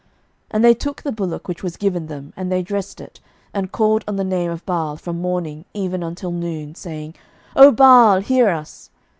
11:018:026 And they took the bullock which was given them, and they dressed it, and called on the name of Baal from morning even until noon, saying, O Baal, hear us.